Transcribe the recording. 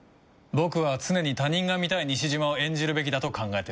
僕は常に他人が見たい西島を演じるべきだと考えてるんだ。